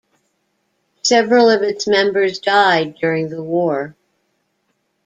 Several of its members died during the war.